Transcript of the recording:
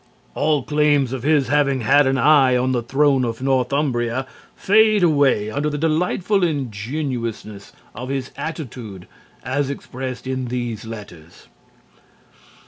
All claims of his having had an eye on the throne of Northumbria fade away under the delightful ingenuousness of his attitude as expressed in these letters.